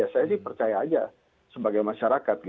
saya sih percaya aja sebagai masyarakat